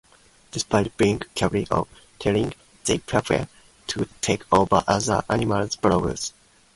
Despite being capable of tunnelling, they prefer to take over other animals' burrows.